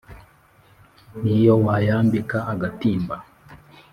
N' iyo wayambika agatimba